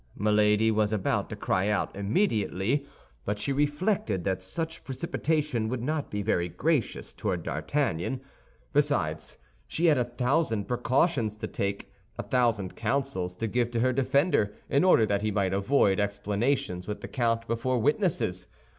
Milady was about to cry out, "Immediately," but she reflected that such precipitation would not be very gracious toward D'Artagnan. Besides, she had a thousand precautions to take, a thousand counsels to give to her defender, in order that he might avoid explanations with the count before witnesses.